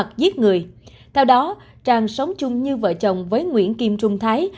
theo đó trang sống chung như vợ chồng với nguyễn kim trung thái